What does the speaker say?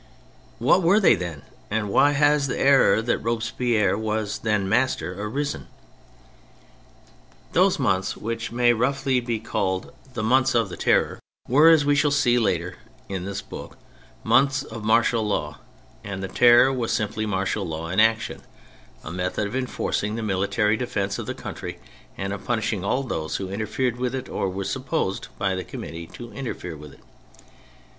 What were they then, and why has the error that Robespierre was then master, arisen ? Those months, which may be roughly called 80 THE FRENCH REVOLUTION the months of the Terror, were, as we shall see later in this book, months of martial law; and the Terror was simply martial law in action — a method of enforcing the military defence of the country and of punishing all those who interfered with it or were supposed by the Committee to interfere with it.